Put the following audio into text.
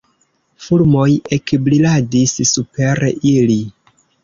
Fulmoj ekbriladis super ili.